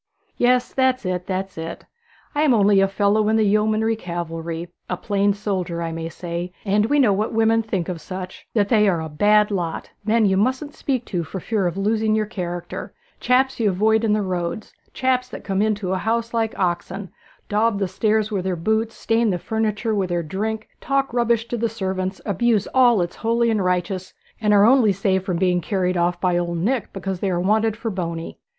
'Yes; that's it, that's it. I am only a fellow in the yeomanry cavalry a plain soldier, I may say; and we know what women think of such: that they are a bad lot men you mustn't speak to for fear of losing your character chaps you avoid in the roads chaps that come into a house like oxen, daub the stairs wi' their boots, stain the furniture wi' their drink, talk rubbish to the servants, abuse all that's holy and righteous, and are only saved from being carried off by Old Nick because they are wanted for Boney.'